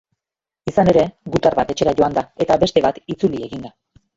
Izan ere, gutar bat etxera joan da eta beste bat itzuli eginda.